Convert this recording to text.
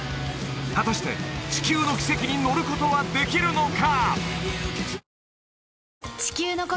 果たして地球の奇跡に乗ることはできるのか！？